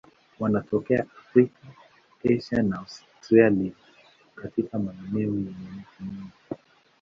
Wanatokea Afrika, Asia na Australia katika maeneo yenye miti mingi.